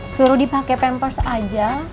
suruh dipakai pampers aja